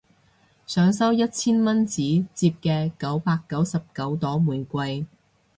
想收一千蚊紙摺嘅九百九十九朵玫瑰